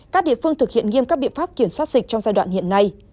các địa phương thực hiện nghiêm các biện pháp kiểm soát dịch trong giai đoạn hiện nay